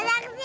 lo dimana sih